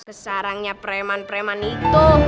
kesarangnya preman preman itu